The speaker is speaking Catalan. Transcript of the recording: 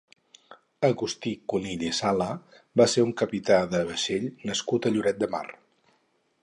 Agustí Conill i Sala va ser un capità de vaixell nascut a Lloret de Mar.